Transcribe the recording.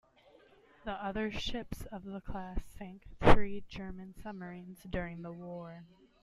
The other ships of the class sank three German submarines during the war.